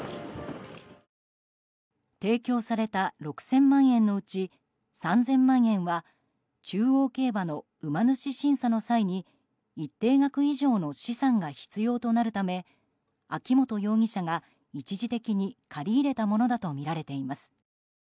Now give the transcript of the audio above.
提供された６０００万円のうち３０００万円は中央競馬の馬主審査の際に一定額以上の資産が必要となるため秋本容疑者が一時的に借り入れたものだとみられています。